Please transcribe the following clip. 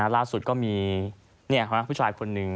ล่าสุดก็มีนี่ครับผู้ชายคนนึง